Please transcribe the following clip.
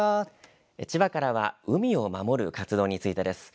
千葉からは海を守る活動についてです。